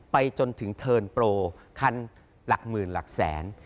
ไปจนถึงเทิร์นโปรคันหลักหมื่นหลักแสน